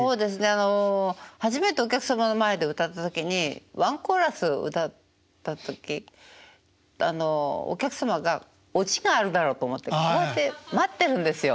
あの初めてお客様の前で歌った時にワンコーラス歌った時お客様がオチがあるだろうと思って待ってるんですよ。